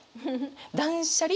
断捨離？